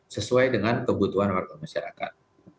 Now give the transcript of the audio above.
sesuai dengan kebutuhan warga masyarakat